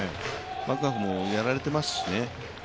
マクガフもやられてますしね。